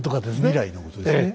未来のことですね。